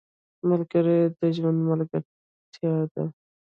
ملګری د ژوند ملتیا ده